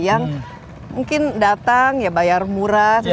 yang mungkin datang ya bayar murah